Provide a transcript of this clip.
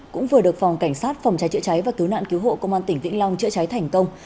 cũng vừa được phòng cảnh sát phòng cháy chữa cháy và cứu nạn cứu hộ công an tỉnh vĩnh long chữa cháy thành công